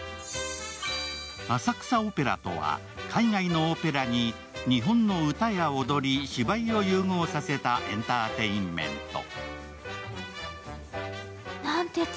浅草オペラとは、海外のオペラに日本の歌や踊り、芝居を融合させたエンターテインメント。